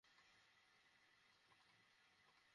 Abu Sufyan ও তার সঙ্গী মক্কার মুশরিকরা আমাদের উপরে ছিল।